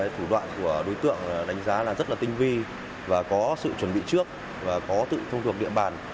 thủ đoạn của đối tượng đánh giá là rất là tinh vi và có sự chuẩn bị trước và có tự thông thuộc địa bàn